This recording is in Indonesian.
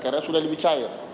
karena sudah lebih cair